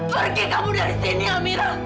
pergi kamu dari sini amira